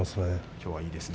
きょうはいいですね。